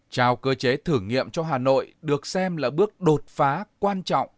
trao cơ chế thử nghiệm cho hà nội được xem là bước đột phá quan trọng